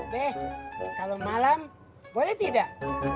beh kalau malam boleh tidak